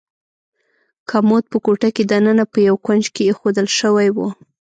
کمود په کوټه کې دننه په یو کونج کې ایښودل شوی و.